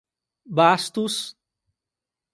Bastos